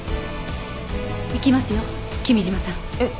行きますよ君嶋さん。えっ！？